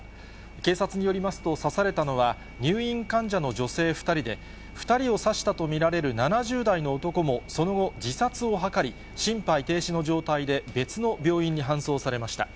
警察によりますと、刺されたのは、入院患者の女性２人で、２人を刺したと見られる７０代の男も、その後、自殺を図り、心肺停止の状態で別の病院に搬送されました。